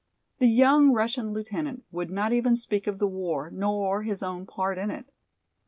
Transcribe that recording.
The young Russian lieutenant would not even speak of the war nor his own part in it.